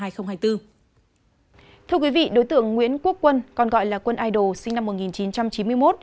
thưa quý vị đối tượng nguyễn quốc quân còn gọi là quân idol sinh năm một nghìn chín trăm chín mươi một